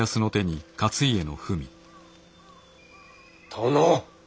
殿！